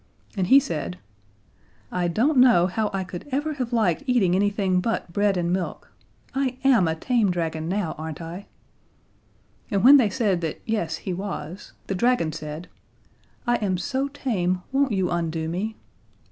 And he said, "I don't know how I could ever have liked eating anything but bread and milk. I am a tame dragon now, aren't I?" And when they said that yes, he was, the dragon said: "I am so tame, won't you undo me?"